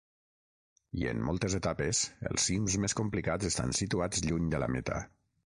I, en moltes etapes, els cims més complicats estan situats lluny de la meta.